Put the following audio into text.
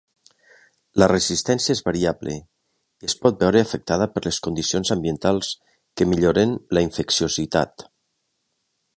La resistència és variable i es pot veure afectada per les condicions ambientals que milloren la infecciositat.